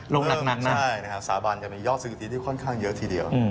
เริ่มหนักนะใช่สถาบันยังมียอดสุทธิที่ค่อนข้างเยอะทีเดียว